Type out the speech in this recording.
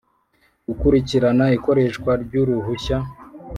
Gukurikirana ikoreshwa ry uruhushya